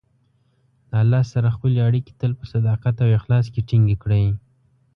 د الله سره خپلې اړیکې تل په صداقت او اخلاص کې ټینګې کړئ.